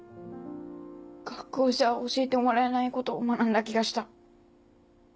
学校じゃ教えてもらえないことを学んだ気がした。